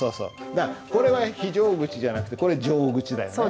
だからこれは非常口じゃなくてこれ常口だよね？